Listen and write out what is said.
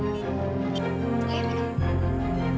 ya allah fadil